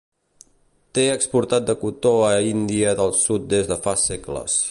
Té exportat de cotó a Índia del sud des de fa segles.